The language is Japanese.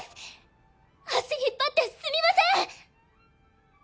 足引っ張ってすみません！